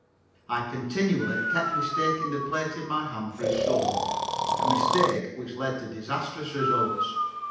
I continually kept mistaking the plate in my hand for a shovel, a mistake which led to disastrous results.